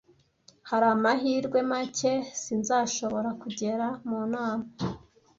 Hari amahirwe make sinzashobora kugera mu nama.